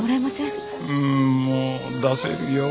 うんもう出せるよ。